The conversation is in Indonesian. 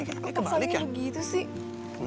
kok keselnya begitu sih